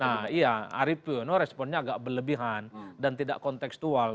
nah iya arief puyono responnya agak berlebihan dan tidak konteksual